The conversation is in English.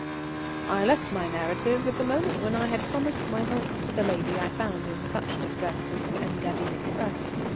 _] I left my narrative at the moment when I had promised my help to the lady I found in such distress in the Engadine express.